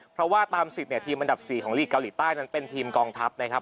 เพราะว่าตาม๑๐เนี่ยทีมอันดับ๔ของลีกเกาหลีใต้นั้นเป็นทีมกองทัพนะครับ